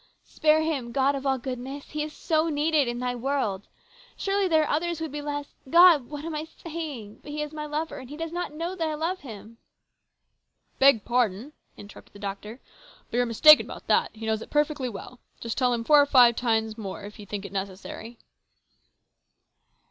Spare him, God of all goodness ! He is so needed in Thy world ! Surely there are others who would be less God ! what am I saying ? But he is my lover ! And he does not know that I love him !"" Beg pardon !" interrupted the doctor ;" but you're mistaken about that He knows it perfectly well. Just tell him four or five times more, if you think it is necessary."